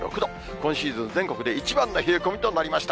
今シーズン、全国で一番の冷え込みとなりました。